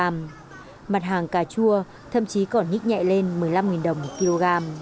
mặt hàng cà chua thậm chí còn nhích nhẹ lên một mươi năm đồng một kg